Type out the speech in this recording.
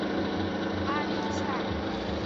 阿里恰。